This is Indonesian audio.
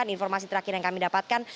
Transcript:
informasi terakhir yang kami dapatkan